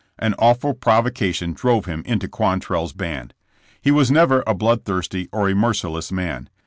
An awful provocation drove him into Quantrell's band. He was never a bloodthirsty or a merciless man.